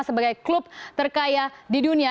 sebagai klub terkaya di dunia